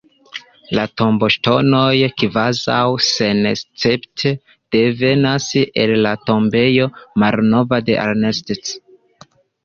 La tomboŝtonoj kvazaŭ senescepte devenas el la Tombejo malnova de Arnstadt.